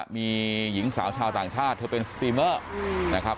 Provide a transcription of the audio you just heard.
มีหญิงสาวชาวต่างชาติเธอเป็นสตรีเมอร์นะครับ